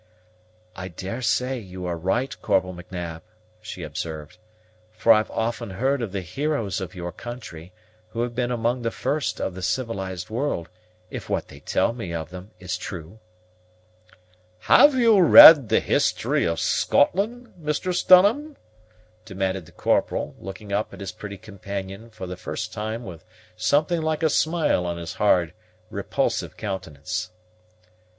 "I daresay you are right, Corporal M'Nab," she observed; "for I've often heard of the heroes of your country, who have been among the first of the civilized world, if what they tell me of them is true." "Have you read the history of Scotland, Mistress Dunham?" demanded the Corporal, looking up at his pretty companion, for the first time with something like a smile on his hard, repulsive countenance.